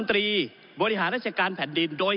ก็ได้มีการอภิปรายในภาคของท่านประธานที่กรกครับ